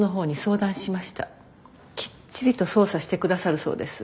きっちりと捜査して下さるそうです。